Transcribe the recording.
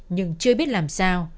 nhưng chưa biết làm sao